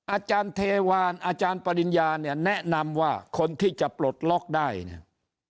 อาจารย์เทวานอาจารย์ปริญญาเนี่ยแนะนำว่าคนที่จะปลดล็อกได้เนี่ย